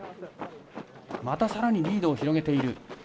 またさらにリードを広げている。